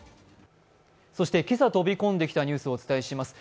今朝飛び込んできたニュースをお伝えします。